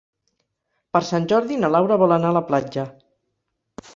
Per Sant Jordi na Laura vol anar a la platja.